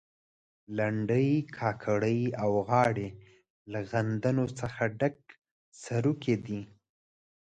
لنډۍ، کاکړۍ او غاړې له غندنو څخه ډک سروکي دي.